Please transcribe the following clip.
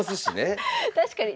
確かに。